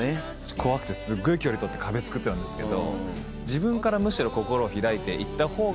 怖くてすっごい距離取って壁つくってたんですけど。